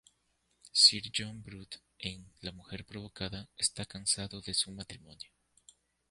Sir John Brute en "La mujer provocada" está cansado de su matrimonio.